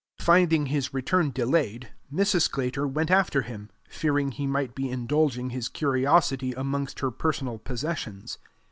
Finding his return delayed, Mrs. Sclater went after him, fearing he might be indulging his curiosity amongst her personal possessions.